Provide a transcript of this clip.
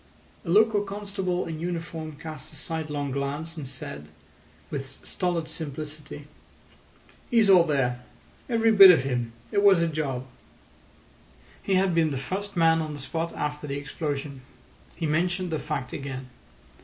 A local constable in uniform cast a sidelong glance, and said, with stolid simplicity: "He's all there. Every bit of him. It was a job." He had been the first man on the spot after the explosion. He mentioned the fact again.